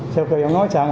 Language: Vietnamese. sau khi ông nói xong